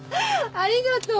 ありがとう。